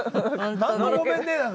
なんの「ごめんね」なのよ。